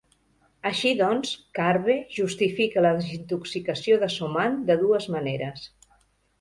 Així doncs, CarbE justifica la desintoxicació de soman de dues maneres.